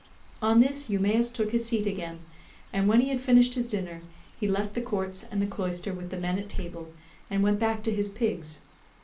On this Eumaeus took his seat again, and when he had finished his dinner he left the courts and the cloister with the men at table, and went back to his pigs.